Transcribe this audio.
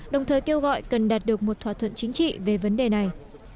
đồng thời kêu gọi cần đạt được một thỏa thuận chính trị về vấn đề này